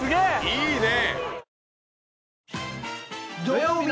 いいね！